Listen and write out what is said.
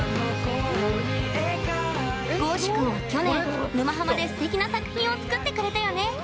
ｇｏ−ｓｈｕ君は去年「沼ハマ」ですてきな作品を作ってくれたよね。